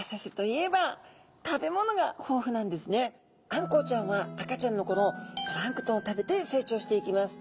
あんこうちゃんは赤ちゃんのころプランクトンを食べて成長していきます。